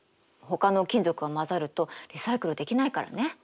ほかの金属が混ざるとリサイクルできないからね。